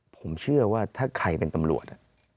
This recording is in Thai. ผมเชื่อว่าถ้าใครเป็นตำรวจ